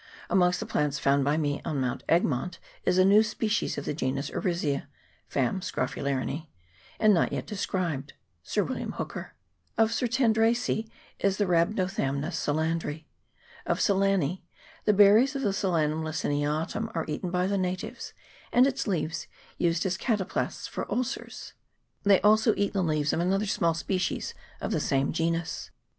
Amongst the plants found by me on Mount Egmont is a new species of the genus Ourisia (fam. Scrophularinese), not yet described (Sir William Hooker). Of Cyrtandracece, is the Rhabdothamnus Solandri. Of Solanece, the berries of the Solatium laciniatum are eaten by the natives, and its leaves used as cataplasms for ulcers. They also eat the leaves of another small species of the same genus.